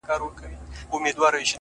مسافرۍ کي دي ايره سولم راټول مي کړي څوک-